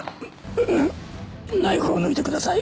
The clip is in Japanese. ううっナイフを抜いてください。